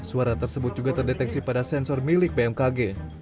suara tersebut juga terdeteksi pada sensor milik bmkg